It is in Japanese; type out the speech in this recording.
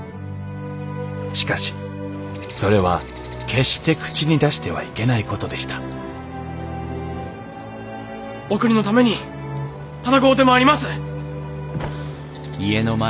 しかしそれは決して口に出してはいけないことでしたお国のために戦うてまいります！